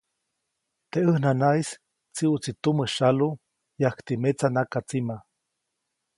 Teʼ ʼäj nanaʼis tsiʼutsi tumä syalu yajkti metsa nakatsima.